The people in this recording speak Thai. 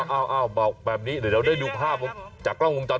บอกแบบนี้เดี๋ยวเราได้ดูภาพจากกล้องวงจร